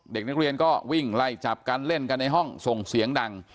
เด็กนักเรียนก็วิ่งไล่จับกันเล่นกันในห้องส่งเสียงดัง